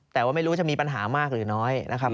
แต่ว่าไม่รู้จะมีปัญหามากหรือน้อยนะครับ